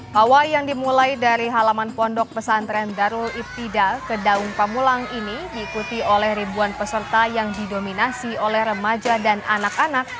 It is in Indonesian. hawai yang dimulai dari halaman pondok pesantren darul ibtida ke daun pamulang ini diikuti oleh ribuan peserta yang didominasi oleh remaja dan anak anak